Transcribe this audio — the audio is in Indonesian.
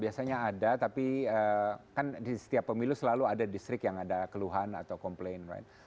biasanya ada tapi kan di setiap pemilu selalu ada distrik yang ada keluhan atau komplain lain